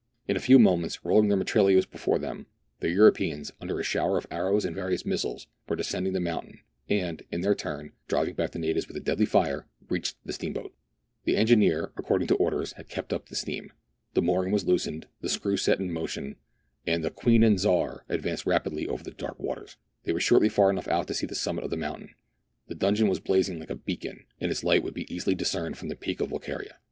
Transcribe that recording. In a few moments, rolling their mitrailleuse before them, the Europeans, under a shower of arrows and various missiles, were descending the mountain, and, intheii turn, driving back the natives with a deadly fire, reached the steamboat The engineer, according to orders, had kept up the steam. The mooring was loosened, the screw set in motion, and the " Queen and Czar" advanced rapidly over the dark waters. They were shortly far enough out to see the summit of the mountain. The donjon was blazing like a beacon, and its light would be easily discerned from the peak of Volquiria.